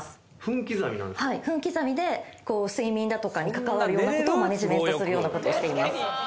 分刻みで睡眠だとかに関わるようなことをマネジメントするようなことをしています